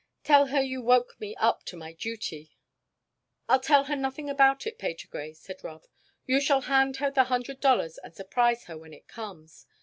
Tell her you woke me up to my duty." "I'll tell her nothing about it, Patergrey," said Rob. "You shall hand her the hundred dollars and surprise her when it comes.